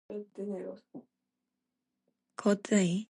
People vouched for its creation after a campaign led by CorpoSucre.